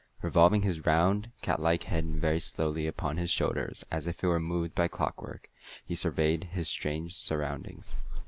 Revolving his round, catlike head very slowly upon his shoulders, as if it were moved by clockwork, he surveyed his strange surroundings.